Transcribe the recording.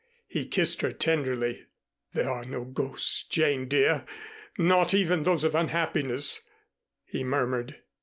He kissed her tenderly. "There are no ghosts, Jane, dear. Not even those of unhappiness," he murmured.